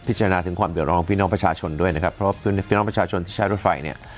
จานาถึงความเดือดร้อนของพี่น้องประชาชนด้วยนะครับเพราะว่าพี่น้องประชาชนที่ใช้รถไฟเนี่ย